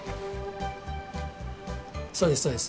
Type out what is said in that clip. そうですそうです。